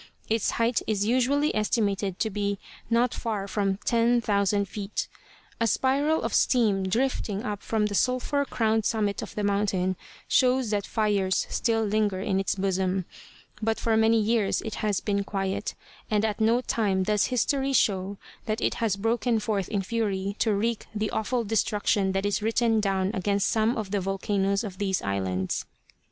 Its height is usually estimated to be not far from ten thousand feet. A spiral of steam drifting up from the sulphur crowned summit of the mountain shows that fires still linger in its bosom, but for many years it has been quiet, and at no time does history show that it has broken forth in fury to wreak the awful destruction that is written down against some of the volcanoes of these islands.